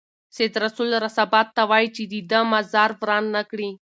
سید رسول رسا باد ته وايي چې د ده مزار وران نه کړي.